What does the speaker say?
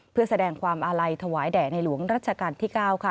เพื่อแสดงความอาลัยถวายแด่ในหลวงรัชกาลที่๙ค่ะ